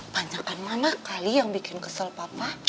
banyakan mama kali yang bikin kesel papa